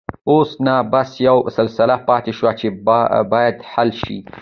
اوس نو بس يوه مسله پاتې شوه چې بايد حل شي.